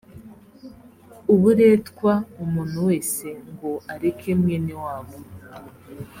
uburetwa umuntu wese ngo areke mwene wabo